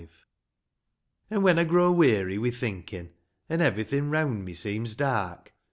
An' when I grow weary wi' thinkin', An' everything round me seems dark.